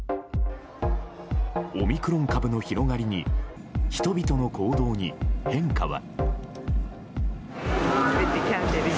オミクロン株の広がりに人々の行動に変化は。